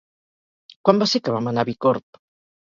Quan va ser que vam anar a Bicorb?